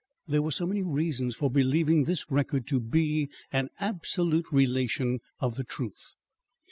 There were so many reasons for believing this record to be an absolute relation of the truth.